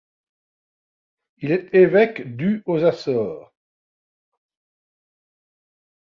Il est évêque du aux Açores.